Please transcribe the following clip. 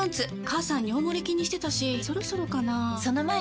母さん尿モレ気にしてたしそろそろかな菊池）